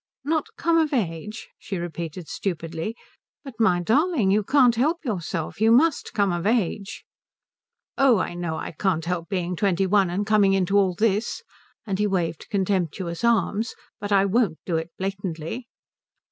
"Not come of age?" she repeated stupidly. "But my darling, you can't help yourself you must come of age." "Oh I know I can't help being twenty one and coming into all this" and he waved contemptuous arms "but I won't do it blatantly."